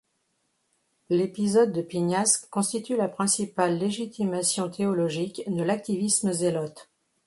L'épisode de Pinhas constitue la principale légitimation théologique de l'activisme zélote.